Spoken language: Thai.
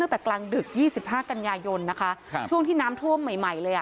ตั้งแต่กลางดึก๒๕กันยายนนะคะช่วงที่น้ำท่วมใหม่เลย